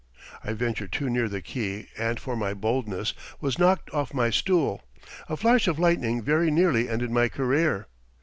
I ventured too near the key and for my boldness was knocked off my stool. A flash of lightning very nearly ended my career.